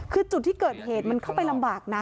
คือจุดที่เกิดเหตุมันเข้าไปลำบากนะ